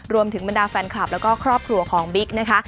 บรรดาแฟนคลับแล้วก็ครอบครัวของบิ๊กนะคะ